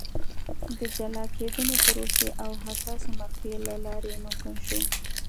د جلا کېدنې پروسې او حساسې مقطعې له لارې ممکن شو.